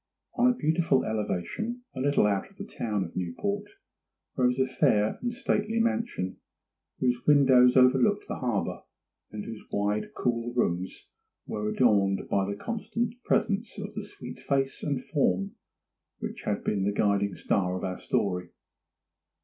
On a beautiful elevation, a little out of the town of Newport, rose a fair and stately mansion, whose windows overlooked the harbour, and whose wide cool rooms were adorned by the constant presence of the sweet face and form which has been the guiding star of our story.